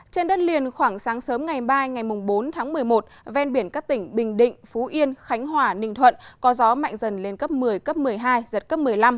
trên đất liền khoảng sáng sớm ngày mai ngày bốn tháng một mươi một ven biển các tỉnh bình định phú yên khánh hòa ninh thuận có gió mạnh dần lên cấp một mươi cấp một mươi hai giật cấp một mươi năm